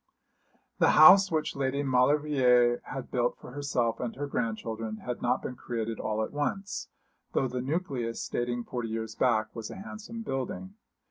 The house which Lady Maulevrier had built for herself and her grandchildren had not been created all at once, though the nucleus dating forty years back was a handsome building.